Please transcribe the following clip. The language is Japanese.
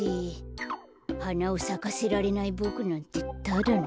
はなをさかせられないボクなんてただのカッパだよ。